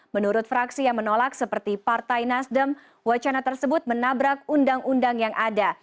menurut fraksi yang menolak seperti partai nasdem wacana tersebut menabrak undang undang yang ada